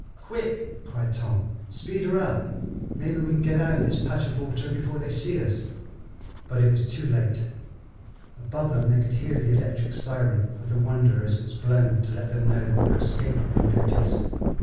"Quick!" cried Tom. "Speed her up! Maybe we can get out of this patch of water before they see us." But it was too late. Above them they could hear the electric siren of the Wonder as it was blown to let them know that their escape had been noticed.